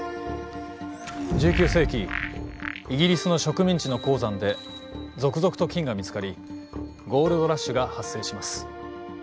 １９世紀イギリスの植民地の鉱山で続々と金が見つかりゴールドラッシュが発生します。